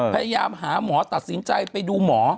พยายามหาหมอตัดสินใจไปดูหมอ